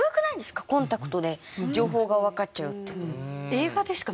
コンタクトで情報がわかっちゃうって。